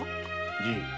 じい。